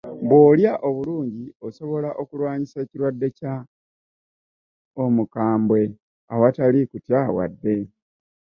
Bw'olya obulungi, osobola okulwanyisa ekirwadde Kya Omukambwe awatali kutya wadde.